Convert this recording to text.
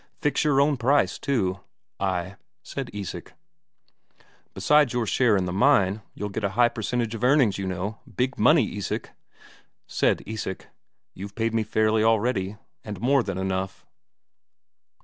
Fix your own price, too." "Ay," said Isak. "Besides your share in the mine you'll get a high percentage of earnings, you know. Big money, Isak." Said Isak: "You've paid me fairly already, and more than enough...."